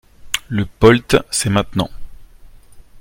Le POLT, c’est maintenant